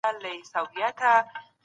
مینه او ورورولي ژوند خوږوي.